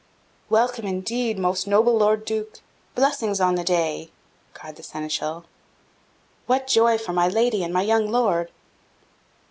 "Welcome, indeed, most noble Lord Duke! Blessings on the day!" cried the Seneschal. "What joy for my Lady and my young Lord!"